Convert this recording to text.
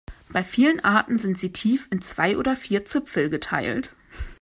Bei vielen Arten sind sie tief in zwei oder vier Zipfel geteilt.